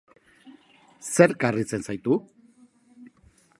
Zerk harritzen zaitu?